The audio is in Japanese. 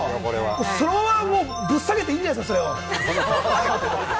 そのまま、ぶっ下げてもいいんじゃないですか？